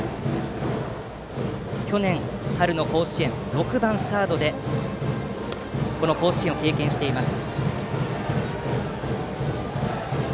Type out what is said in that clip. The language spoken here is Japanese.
去年、春の甲子園、６番サードでこの甲子園を経験しています。